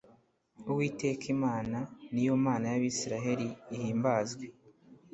uwiteka imana, niyo mana y’abisirayeli, ihimbazwe